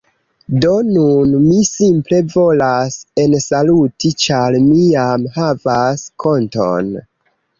Do, nun mi simple volas ensaluti ĉar mi jam havas konton